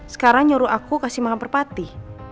sekarang nyuruh aku kasih makan merpati